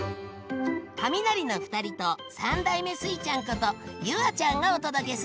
カミナリの２人と３代目スイちゃんこと夕空ちゃんがお届けする。